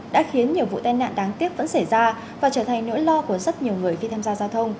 đã khiến nhiều vụ tai nạn đáng tiếc vẫn xảy ra và trở thành nỗi lo của rất nhiều người khi tham gia giao thông